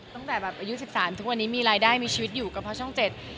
ตั้งแต่อายุ๑๓ทุกวันนี้มีรายได้มีชีวิตอยู่กับช่องเจ็ด